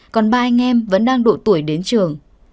còn ba anh em vẫn đang độ tuổi đến trường